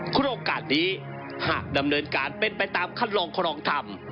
โครงการนี้หากดำเนินการเป็นไปตามคัดลองครองธรรม